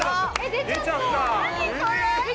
出ちゃった。